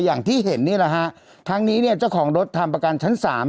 อย่างที่เห็นนี่แหละฮะทั้งนี้เนี่ยเจ้าของรถทำประกันชั้นสาม